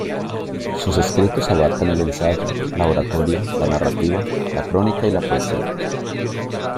Sus escritos abarcan el ensayo, la oratoria, la narrativa; la crónica y la poesía.